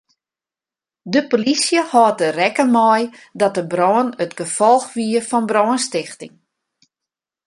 De plysje hâldt der rekken mei dat de brân it gefolch wie fan brânstichting.